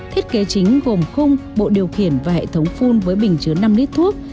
thiết kế chính gồm khung bộ điều khiển và hệ thống phun với bình chứa năm lít thuốc